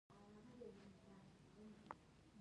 رئیس جمهور خپلو عسکرو ته امر وکړ؛ د سهار ورزش ته حاضر شئ!